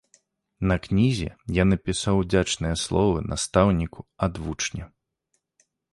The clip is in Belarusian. На кнізе я напісаў удзячныя словы настаўніку ад вучня.